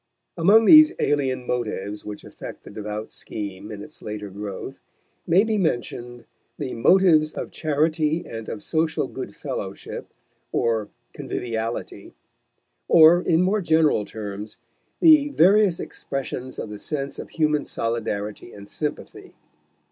Among these alien motives which affect the devout scheme in its later growth, may be mentioned the motives of charity and of social good fellowship, or conviviality; or, in more general terms, the various expressions of the sense of human solidarity and sympathy.